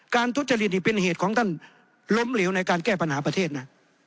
ทุจริตนี่เป็นเหตุของท่านล้มเหลวในการแก้ปัญหาประเทศนะ